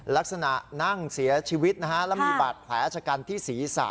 ลักษณะนั่งเสียชีวิตและมีบัตรแผลชกันที่ศีรษะ